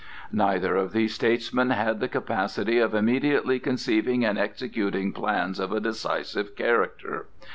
Neither of these statesmen had the capacity of immediately conceiving and executing plans of a decisive character.